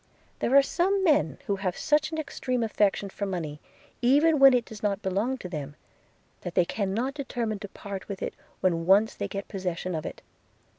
There were some men who have such an extreme affection for money, even when it does not belong to them, that they cannot determine to part with it when once they get possession of it.